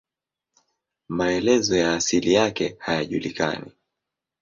Maelezo ya asili yake hayajulikani.